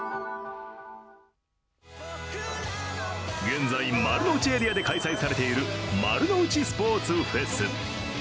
現在、丸の内エリアで開催されている丸の内スポーツフェス。